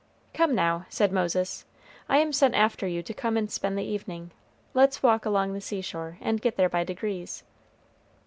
"Come, now," said Moses; "I am sent after you to come and spend the evening; let's walk along the seashore, and get there by degrees."